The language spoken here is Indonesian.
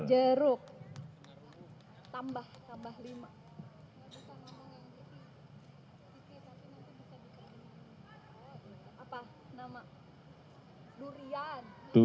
jeruk tambah tambah lima